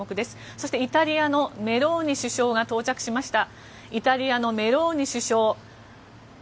そしてイタリアのメローニ首相が到着しました。